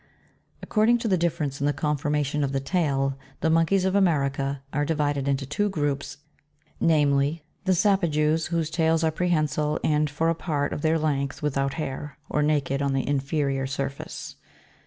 Accord ing to the difference in the conformation of the tail, the monkeys of America are divided into two groups, namely ; 21. The SAPAJOUS, whose tails are prehensile, and for a part of their length without hair, or naked on the inferior surface.